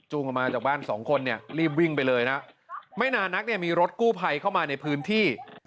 จูงออกมาจากบ้าน๒คนรีบวิ่งไปเลยนะไม่นานนักมีรถกู้ไภเข้ามาในพื้นที่